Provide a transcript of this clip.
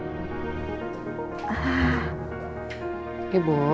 terus lebih pentingnya bang alok quarto